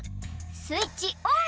スイッチオン！